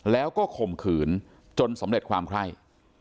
แล้วก็ข่มขืนจนสำเร็จความไคร่